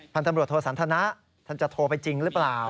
ตำรวจโทสันทนะท่านจะโทรไปจริงหรือเปล่า